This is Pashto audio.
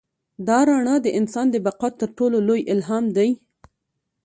دا رڼا د انسان د بقا تر ټولو لوی الهام دی.